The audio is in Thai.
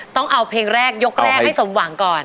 ต้องเอาเพลงแรกยกแรกให้สมหวังก่อน